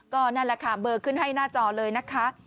ก็นั่นแหละค่ะเบอร์ขึ้นให้หน้าจอเลยนะคะ